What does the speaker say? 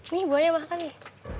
nih buahnya makan nih